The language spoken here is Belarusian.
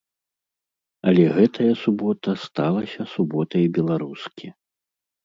Але гэтая субота сталася суботай беларускі.